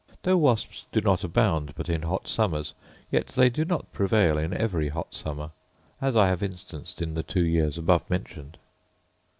Though wasps do not abound but in hot summers, yet they do not prevail in every hot summer, as I have instanced in the two years above mentioned.